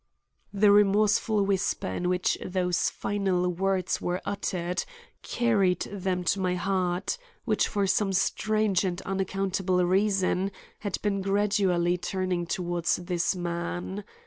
The remorseful whisper in which those final words were uttered carried them to my heart, which for some strange and unaccountable reason had been gradually turning toward this man.